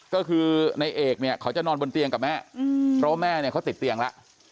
ก็คือในเอกเนี่ยเขาจะนอนบนเตียงกับแม่เพราะว่าแม่เนี่ยเขาติดเตียงแล้ว